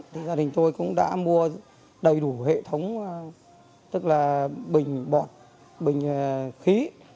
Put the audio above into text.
thì gia đình tôi cũng đã mua đầy đủ hệ thống tức là bình bọt bình khí